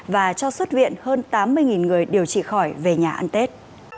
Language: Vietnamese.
và cho xuất viện hơn tám mươi người điều trị khỏi về nhà ăn tết